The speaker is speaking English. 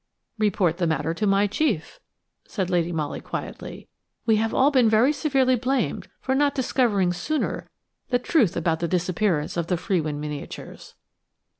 "Report the matter to my chief," said Lady Molly, quietly. "We have all been very severely blamed for not discovering sooner the truth about the disappearance of the Frewin miniatures."